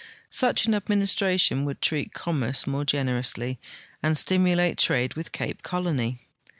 Such an administration would treat commerce more gen erously and stimulate trade with Cajie Colon}'.